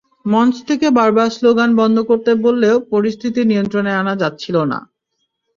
মঞ্চ থেকে বারবার স্লোগান বন্ধ করতে বললেও পরিস্থিতি নিয়ন্ত্রণে আনা যাচ্ছিল না।